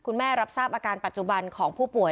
รับทราบอาการปัจจุบันของผู้ป่วย